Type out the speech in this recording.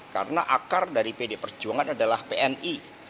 karena akar dari pd perjuangan adalah pni